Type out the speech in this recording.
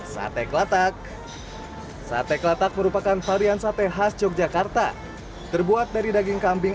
sate kelatak sate kelatak merupakan varian sate khas yogyakarta terbuat dari daging kambing